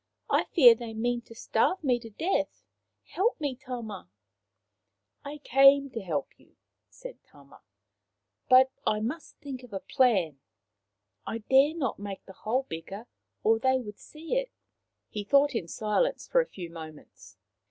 I fear they mean to starve me to death. Help me, Tama !"" I came to help you," said Tama. " But I must think of a plan. I dare not make the hole bigger, or they would see it." He thought in silence for a few moments.